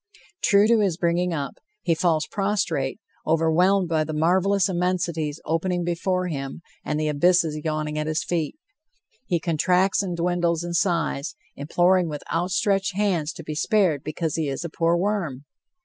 True to his bringing up, he falls prostrate, overwhelmed by the marvelous immensities opening before him and the abysses yawning at his feet. He contracts and dwindles in size, imploring with outstretched hands to be spared because he is a poor worm.